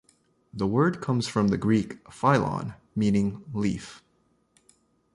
The word comes from the Greek "phyllon", meaning "leaf".